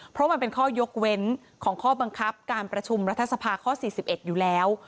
เพราะมันเป็นข้อยกเว้นของข้อบังคับการประชุมรัฐสภาข้อ๔๑อยู่แล้ว